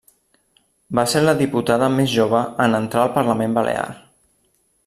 Va ser la diputada més jove en entrar al Parlament Balear.